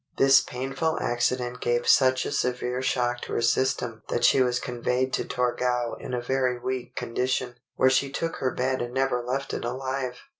This painful accident gave such a severe shock to her system that she was conveyed to Torgau in a very weak condition, where she took her bed and never left it alive.